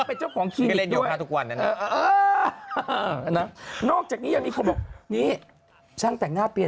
แต่คือเอาไม่อยู่เพราะหน้าเด็ก